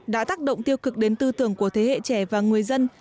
đã tác động tiêu cực đến tư tưởng của thế hệ trẻ và người dân